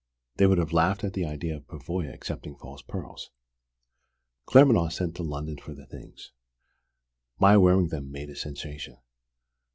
They would have laughed at the idea of Pavoya accepting false pearls. "Claremanagh sent to London for the things. My wearing them made a sensation!